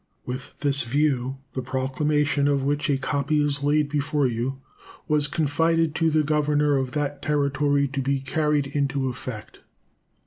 With this view, the proclamation of which a copy is laid before you was confided to the governor of that Territory to be carried into effect.